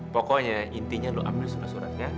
pokoknya intinya lo ambil surat suratnya